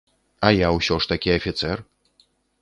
А я ўсё ж такі афіцэр.